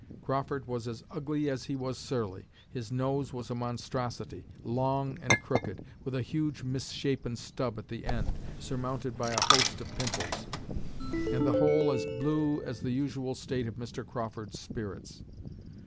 Crawford was as ugly as he was surly. His nose was a monstrosity long and crooked, with a huge mis shapen stub at the end, surmounted by a host of pimples, and the whole as blue as the usual state of Mr. Crawford's spirits.